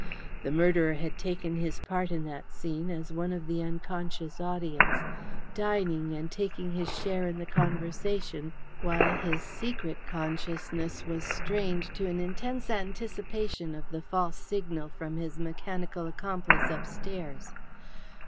The murderer had taken his part in that scene as one of the unconscious audience, dining and taking his share in the conversation, while his secret consciousness was strained to an intense anticipation of the false signal from his mechanical accomplice upstairs.